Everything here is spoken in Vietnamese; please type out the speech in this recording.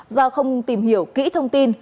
do không tìm hiểu kỹ thông tin